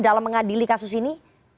dalam mengadili kasus ini